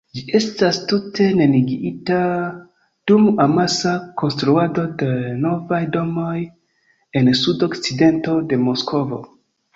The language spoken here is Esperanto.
Ĝi estas tute neniigita dum amasa konstruado de novaj domoj en sud-okcidento de Moskvo.